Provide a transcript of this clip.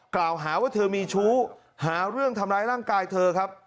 กล่าวหาว่าเธอมีชู้หาเรื่องทำร้ายร่างกายเธอครับ